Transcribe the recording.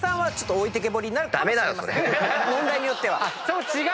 問題によっては。